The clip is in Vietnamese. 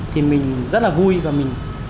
thì mình rất là vui và mình